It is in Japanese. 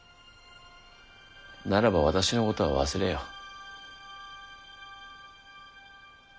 ならば私のことは忘れよ。